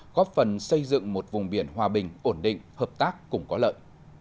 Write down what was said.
góp phần xây dựng một vùng biển hòa bình ổn định hợp tác cùng có lợi